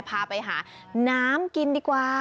พาไปหาน้ำกินดีกว่า